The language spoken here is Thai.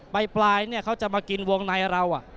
ปลายเนี่ยเขาจะมากินวงในเรา